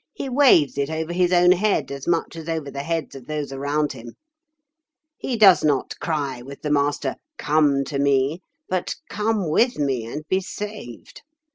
He waves it over his own head as much as over the heads of those around him. He does not cry with the Master, 'Come to Me,' but 'Come with me, and be saved.